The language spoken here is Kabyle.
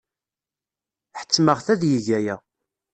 Ḥettmeɣ-t ad yeg aya.